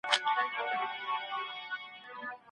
دروني ارامي په ژوند کي برکت راوړي.